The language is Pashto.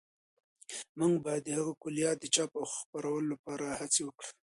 موږ باید د هغه د کلیات د چاپ او خپرولو لپاره هڅې وکړو.